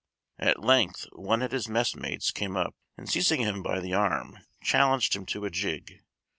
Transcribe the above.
At length one at his messmates came up, and seizing him by the arm, challenged him to a jig.